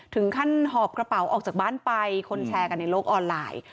หอบกระเป๋าออกจากบ้านไปคนแชร์กันในโลกออนไลน์